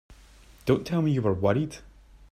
Don't tell me you were worried!